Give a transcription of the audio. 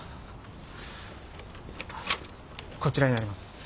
こちらになります。